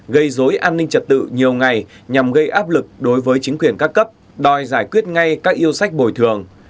gây dối an ninh trật tự nhiều ngày nhằm gây áp lực đối với chính quyền các cấp đòi giải quyết ngay các yêu sách bồi thường